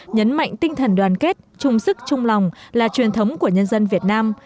nhấn mạnh tinh thần đoàn kết chung sức chung lòng là truyền thống của nhân dân việt nam